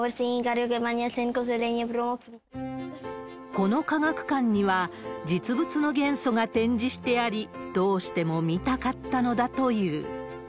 この科学館には実物の元素が展示してあり、どうしても見たかったのだという。